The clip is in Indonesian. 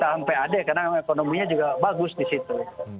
dalam pad karena ekonominya juga bagus di situ